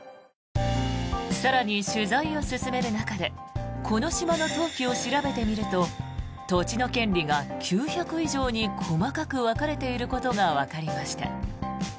更に取材を進める中でこの島の登記を調べてみると土地の権利が９００以上に細かく分かれていることがわかりました。